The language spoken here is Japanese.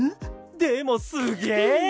でもすげえ！